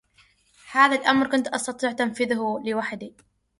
هذا الامر كنت أستطيع تنفيذه لوحدي.